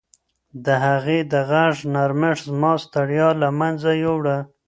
د هغې د غږ نرمښت زما ستړیا له منځه یووړه.